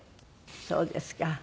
そうですか。